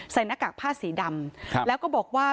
หน้ากากผ้าสีดำแล้วก็บอกว่า